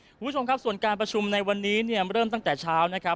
คุณผู้ชมครับส่วนการประชุมในวันนี้เนี่ยเริ่มตั้งแต่เช้านะครับ